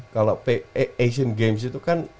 kalau asian games itu kan